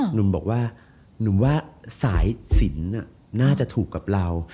หนุ่มบอกว่าหนุ่มว่าสายสินน่าจะถูกกับเรา